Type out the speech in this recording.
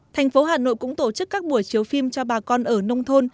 thành phố hà nội cũng tổ chức các buổi chiếu phim cho bà con ở nông thôn